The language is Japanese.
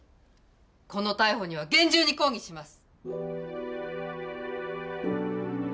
この逮捕には厳重に抗議します！